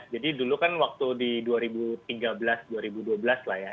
jadi dulu kan waktu di dua ribu tiga belas dua ribu dua belas lah ya